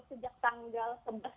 sejak tanggal sebelas maret